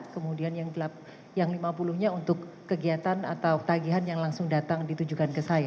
kemudian yang lima puluh nya untuk kegiatan atau tagihan yang langsung datang ditujukan ke saya